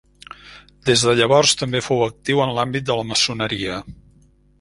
Des de llavors també fou actiu en l'àmbit de la maçoneria.